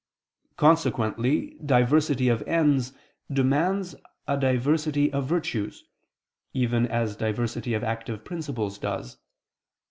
Consequently diversity of ends demands a diversity of virtues, even as diversity of active principles does.